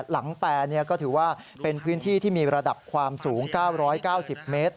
หลังแปรก็ถือว่าเป็นพื้นที่ที่มีระดับความสูง๙๙๐เมตร